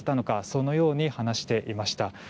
そのように話していました。